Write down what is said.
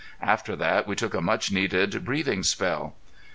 After that we took a much needed breathing spell.